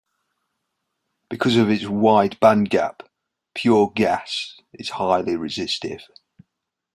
Because of its wide bandgap, pure GaAs is highly resistive.